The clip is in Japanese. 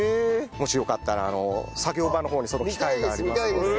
もしよかったら作業場の方にその機械がありますので。